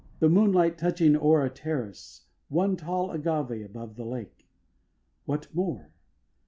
The moonlight touching o'er a terrace One tall Agavč above the lake. What more?